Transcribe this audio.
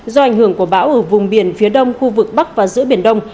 do ảnh hưởng của bão ở vùng biển phía đông khu vực bắc và giữa biển đông